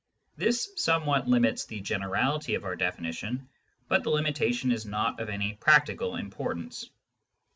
This somewhat limits the generality of our definition, but the limitation is not of any practical impor tance.